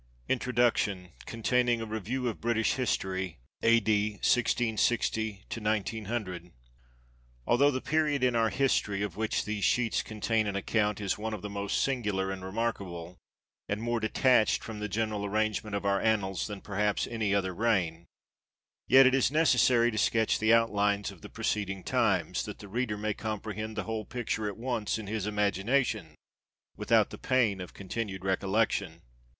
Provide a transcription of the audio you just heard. INTRODUCTION CONTAINING A REVIEW OF BRITISH HISTORY A.D. I66O I9OO. ALTHOUGH the period in our history, of which these sheets contain an account, is one of the most singular and remarkable, and more detached from the general arrangement of our annals than perhaps any other reign; yet it is necessary to sketch the outlines of the preceding times, that the reader may comprehend the whole picture at once in his imagination, without the pain of continued recollection.